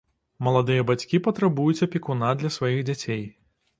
Маладыя бацькі патрабуюць апекуна для сваіх дзяцей.